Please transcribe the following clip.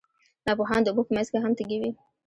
ناپوهان د اوبو په منځ کې هم تږي وي.